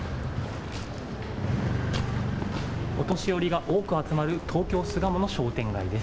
お年寄りが多く集まる東京・巣鴨の商店街です。